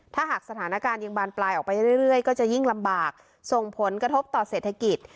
ถ้าหากสถานการณ์ยังบานปลายออกไปเรื่อยก็จะยิ่งลำบากส่งผลกระทบต่อเศรษฐกิจ